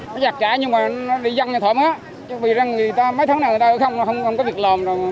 nó giả trả nhưng mà nó đi dân cho thỏm hết vì ra mấy tháng nào người ta không có việc làm rồi